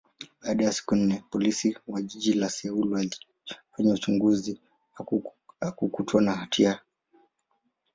baada ya siku nne, Polisi wa jiji la Seoul walifanya uchunguzi, hakukutwa na hatia.